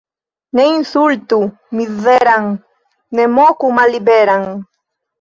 Ne insultu mizeran, ne moku malliberan.